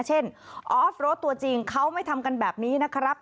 ออฟโรดตัวจริงเขาไม่ทำกันแบบนี้นะครับ